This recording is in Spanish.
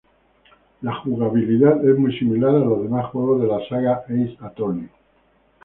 La jugabilidad es muy similar a los demás juegos de la saga "Ace Attorney".